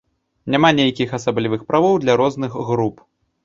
Няма нейкіх асаблівых правоў для розных груп.